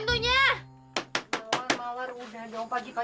jangan lupa bu